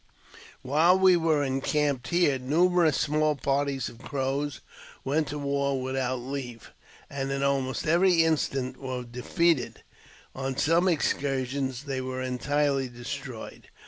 While we were encamped here, numerous small parties of Crows went to war without leave, and in almost every instance w^ere defeated ; on some excursions they were entirely des troyed.